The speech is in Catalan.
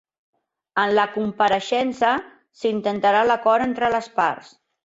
En la compareixença s'intentarà l'acord entre les parts.